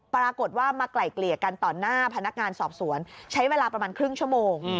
ปรากฏว่ามาไกล่เกลี่ยกันต่อหน้าพนักงานสอบสวนใช้เวลาประมาณครึ่งชั่วโมง